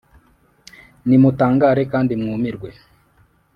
Nimutangare kandi mwumirwe,